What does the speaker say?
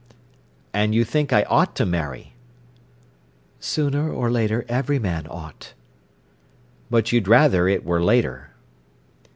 "And you think I ought to marry?" "Sooner or later every man ought." "But you'd rather it were later."